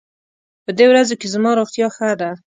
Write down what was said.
په دې ورځو کې زما روغتيا ښه ده.